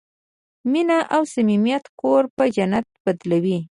مینه او صمیمیت کور په جنت بدلوي.